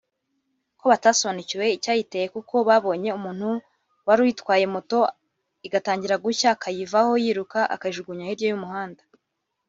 ko batasobanukiwe icyayiteye kuko babonye umuntu warutwaye moto igatangira gushya akayivaho yiruka akayijugunya hirya y’umuhanda